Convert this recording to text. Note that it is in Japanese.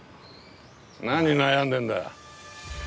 何悩んでんだ。